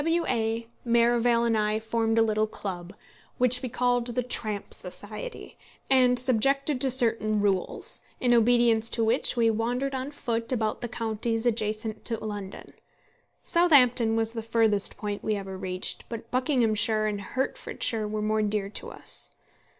W A , Merivale, and I formed a little club, which we called the Tramp Society, and subjected to certain rules, in obedience to which we wandered on foot about the counties adjacent to London. Southampton was the furthest point we ever reached; but Buckinghamshire and Hertfordshire were more dear to us.